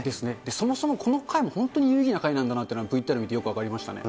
そもそもこの会も本当に有意義な会談だなというのは、ＶＴＲを見て、よく分かりましたね。